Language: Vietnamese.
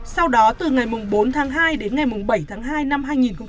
sau đó từ ngày bốn tháng hai đến ngày bảy tháng hai năm hai nghìn một mươi chín